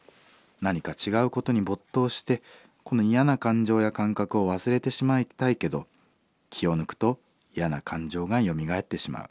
何か違うことに没頭してこの嫌な感情や感覚を忘れてしまいたいけど気を抜くと嫌な感情がよみがえってしまう。